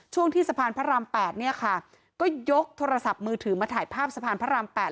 ช่วงที่สะพานพระราม๘เนี่ยค่ะก็ยกโทรศัพท์มือถือมาถ่ายภาพสะพานพระราม๘